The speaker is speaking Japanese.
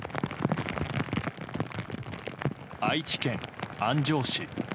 愛知県安城市。